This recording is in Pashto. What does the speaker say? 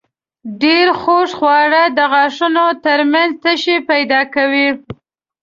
ډېر خوږ خواړه د غاښونو تر منځ تشې پیدا کوي.